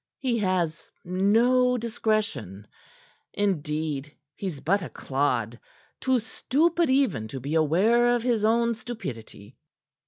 He has no discretion. Indeed, he's but a clod, too stupid even to be aware of his own stupidity."